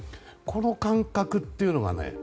この感覚っていうのがね。